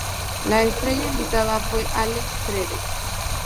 La estrella invitada fue Alex Trebek.